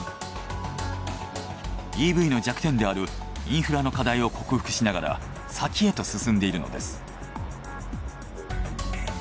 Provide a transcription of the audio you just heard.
ＥＶの弱点であるインフラの課題を克服しながら先へと進んでいるのです。